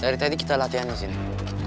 dari tadi kita latihani sih nek